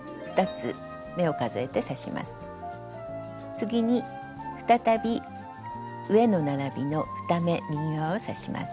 次に再び上の並びの２目右側を刺します。